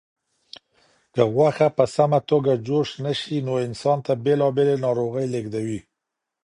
که غوښه په سمه توګه جوش نشي نو انسان ته بېلابېلې ناروغۍ لېږدوي.